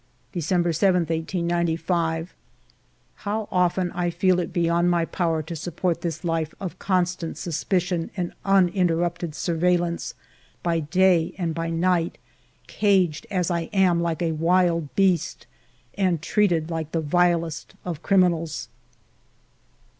December 7, 1895. How often I feel it beyond my power to sup port this life of constant suspicion and uninter rupted surveillance by day and by night, caged as I am, like a wild beast, and treated like the vilest of criminals!